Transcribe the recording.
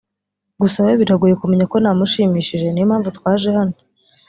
gusa we biragoye kumenya ko namushimishije niyo mpamvu twaje hano